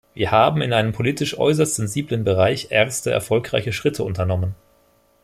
Wir haben in einem politisch äußerst sensiblen Bereich erste erfolgreiche Schritte unternommen.